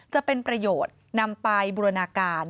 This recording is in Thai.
จะเป็นประโยชน์นำไปบูรณาการ